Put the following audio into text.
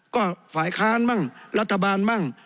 ก็ฝ่ายค้านบ้างรัฐบาลมั่ง